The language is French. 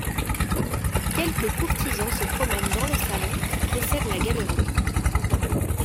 Quelques courtisans se promènent dans le salon qui précède la galerie.